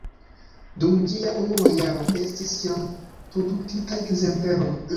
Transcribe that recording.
Dum ĝia unua jaro estis jam produktitaj ekzempleroj.